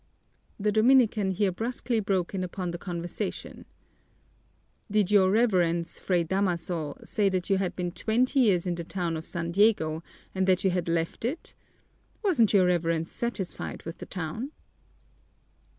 The Dominican here brusquely broke in upon the conversation. "Did your Reverence, Fray Damaso, say that you had been twenty years in the town of San Diego and that you had left it? Wasn't your Reverence satisfied with the town?"